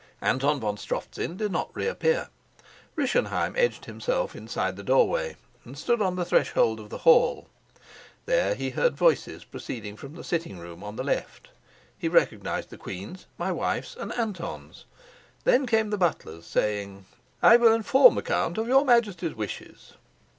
Anton von Strofzin did not reappear. Rischenheim edged himself inside the doorway and stood on the threshold of the hall. There he heard voices proceeding from the sitting room on the left. He recognized the queen's, my wife's, and Anton's. Then came the butler's, saying, "I will inform the count of your Majesty's wishes."